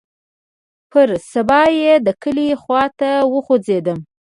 پر سبا يې د کلي خوا ته وخوځېدم.